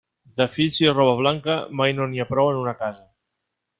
De fills i roba blanca, mai no n'hi ha prou en una casa.